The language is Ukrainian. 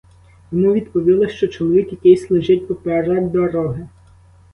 Йому відповіли, що чоловік якийсь лежить поперек дороги.